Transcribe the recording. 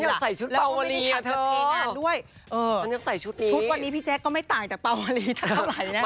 ฉันยังใส่ชุดเปล่าวะรีอะเธอเออฉันยังใส่ชุดนี้ชุดวันนี้พี่แจ๊คก็ไม่ตายแต่เปล่าวะรีเท่าไหร่นะ